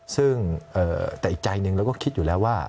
ซึ่งแต่อีกใจหนึ่งเราก็คิดอยู่แล้วว่า